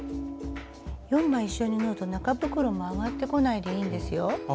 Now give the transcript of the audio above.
４枚一緒に縫うと中袋もあがってこないでいいんですよ。